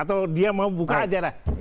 atau dia mau buka aja lah